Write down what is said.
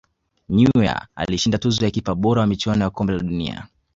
neuer alishinda tuzo ya kipa bora wa michuano ya kombe la dunia